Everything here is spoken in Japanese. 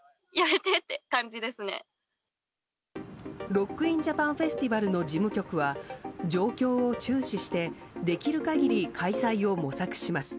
ＲＯＣＫＩＮＪＡＰＡＮＦＥＳＴＩＶＡＬの事務局は状況を注視してできる限り開催を模索します